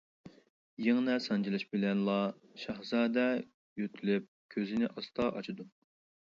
يىڭنە سانجىلىشى بىلەنلا، شاھزادە يۆتىلىپ كۆزىنى ئاستا ئاچىدۇ.